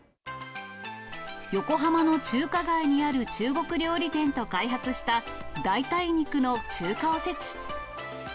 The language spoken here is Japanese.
横浜の中華街にある中国料理店と開発した、代替肉の中華おせち。